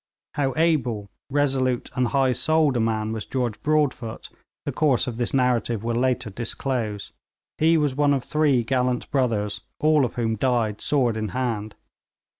How able, resolute, and high souled a man was George Broadfoot, the course of this narrative will later disclose. He was one of three gallant brothers, all of whom died sword in hand.